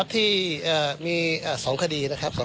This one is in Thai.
หมายถึงว่าในเบื้องต้นอยู่ที่เขาจะมารับทรัพย์เข้าข่าวหา